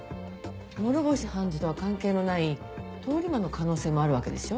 諸星判事とは関係のない通り魔の可能性もあるわけでしょ？